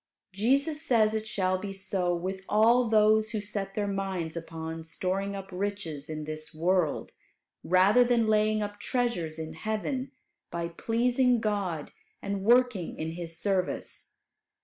Jesus says it shall be so with all those who set their minds upon storing up riches in this world, rather than laying up treasures in heaven by pleasing God and working in His service.